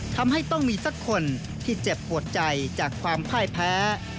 ทำให้ต้องมีสักคนที่เจ็บปวดใจจากความพ่ายแพ้